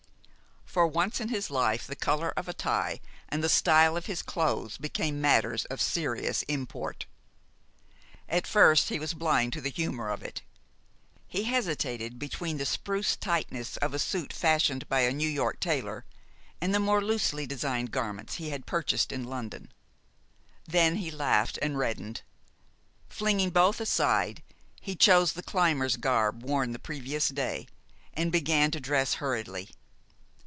For once in his life the color of a tie and the style of his clothes became matters of serious import. At first, he was blind to the humor of it. He hesitated between the spruce tightness of a suit fashioned by a New York tailor and the more loosely designed garments he had purchased in London. Then he laughed and reddened. Flinging both aside, he chose the climber's garb worn the previous day, and began to dress hurriedly.